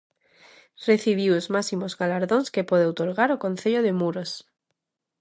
Recibiu os máximos galardóns que pode outorgar o Concello de Muros.